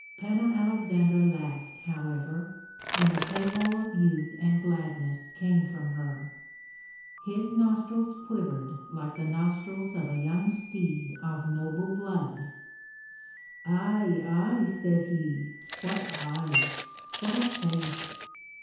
Panna Aleksandra laughed, however, and a halo of youth and gladness came from her. His nostrils quivered like the nostrils of a young steed of noble blood. "Ai! ai!" said he. "What eyes, what a face!